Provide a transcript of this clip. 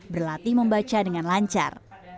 berlatih membaca dengan lancar